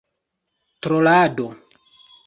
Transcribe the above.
trolado